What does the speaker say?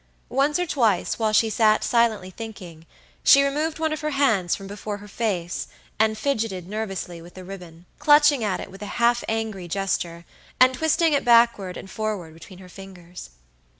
Once or twice, while she sat silently thinking, she removed one of her hands from before her face, and fidgeted nervously with the ribbon, clutching at it with a half angry gesture, and twisting it backward and forward between her fingers.